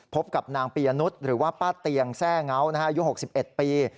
พบกับนางปียนุษย์หรือว่าป้าเตียงแทร่เงาอายุ๖๑ปี